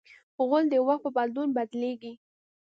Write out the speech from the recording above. غول د وخت په بدلون بدلېږي.